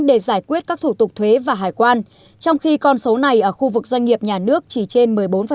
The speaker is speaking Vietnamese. để giải quyết các thủ tục thuế và hải quan trong khi con số này ở khu vực doanh nghiệp nhà nước chỉ trên một mươi bốn